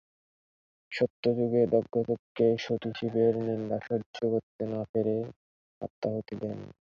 সত্য যুগে দক্ষ যজ্ঞে সতী শিবের নিন্দা সহ্য করতে না পেরে আত্মাহুতি দেন।